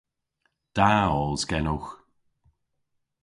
Da os genowgh.